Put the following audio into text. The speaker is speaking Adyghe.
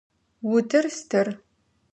Утыр стыр.